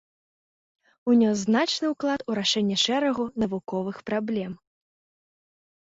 Унёс значны ўклад у рашэнне шэрагу навуковых праблем.